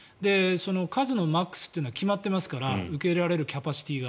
数のマックスというのは決まっていますから受け入れられるキャパシティーが。